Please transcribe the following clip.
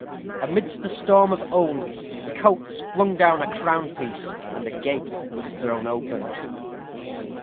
Amidst a storm of oaths, Coates flung down a crown piece, and the gate was thrown open.